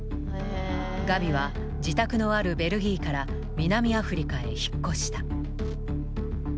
ガビは自宅のあるベルギーから南アフリカへ引っ越した。